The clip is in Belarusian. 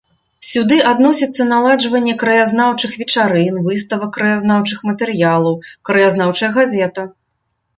Сюды адносіцца наладжванне краязнаўчых вечарын, выставак краязнаўчых матэрыялаў, краязнаўчая газета.